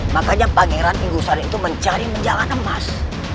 makanya pangeran inggrisani itu mencari menjangan emas